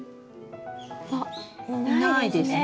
あっいないですね。